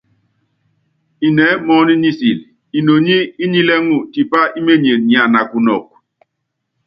Inɛɛ́ mɔɔ́n nisil, inoní í nulɛŋɔn tipá ímenyen niana kunɔk.